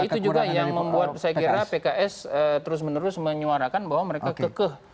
itu juga yang membuat saya kira pks terus menerus menyuarakan bahwa mereka kekeh